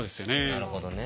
なるほどね。